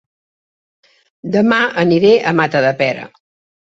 Dema aniré a Matadepera